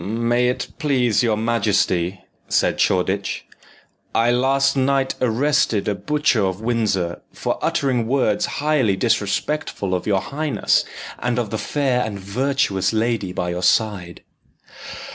"May it please your majesty," said Shoreditch, "I last night arrested a butcher of Windsor for uttering words highly disrespectful of your highness, and of the fair and virtuous lady by your side."